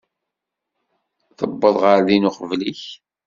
Tewweḍ ɣer din uqbel-ik.